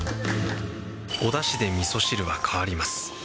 おだしでみそ汁は変わります。